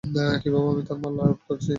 কিভাবে আমি তার মাল আউট করেছি?